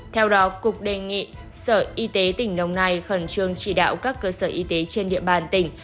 theo đó cục đề nghị sở y tế tỉnh đồng nai khẩn trương chỉ đạo các cơ sở y tế trên địa bàn tỉnh